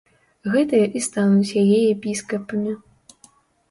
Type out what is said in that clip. Гэтыя і стануць яе епіскапамі.